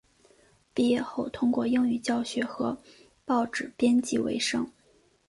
毕业后通过英文教学和报纸编辑维生。